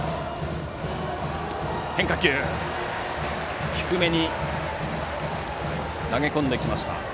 変化球を低めに投げ込んできました。